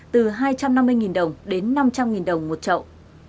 từ hai trăm năm mươi đồng đến năm trăm linh đồng một trậu